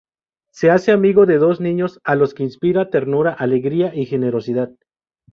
Se hace amigo de dos niños a los que inspira ternura, alegría y generosidad.